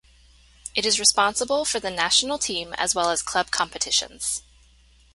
It is responsible for the national team as well as club competitions.